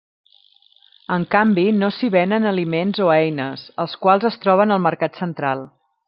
En canvi no s'hi venen aliments o eines, els quals es troben al Mercat Central.